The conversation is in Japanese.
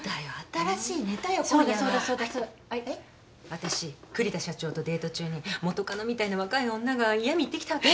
私栗田社長とデート中に元カノみたいな若い女が嫌み言ってきたわけ。